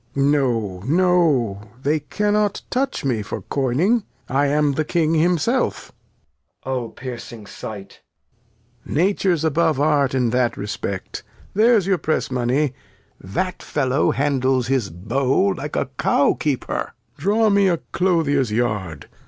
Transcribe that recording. Lear. No, no; they cannot touch me for coyning; I am the King himself. Edg. O piercing Sight. Lear. Nature's above Art in that Respect; there's your Press Money : That Fellow handles his Bow like a Cow Keeper : Draw me a Clothier's Yard.